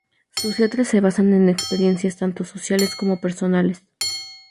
Sus letras se basan en experiencias tanto sociales como personales.